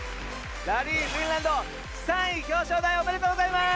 ラリー・フィンランド３位表彰台おめでとうございます！